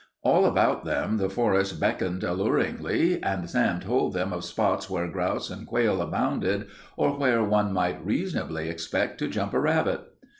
All about them the forest beckoned alluringly, and Sam told them of spots where grouse and quail abounded, or where one might reasonably expect to "jump" a rabbit.